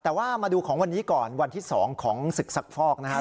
แต่ว่ามาดูของวันนี้ก่อนวันที่๒ของศึกซักฟอกนะครับ